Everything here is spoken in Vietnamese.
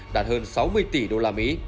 đạt hơn sáu mươi tỷ đô la mỹ